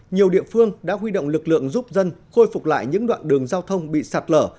nhiều địa phương đã huy động lực lượng giúp dân khôi phục lại những đoạn đường giao thông bị sạt lở